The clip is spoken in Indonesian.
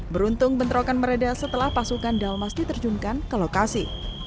beruntung bentrokan meredah setelah pasukan dalmas diterjunkan ke lokasi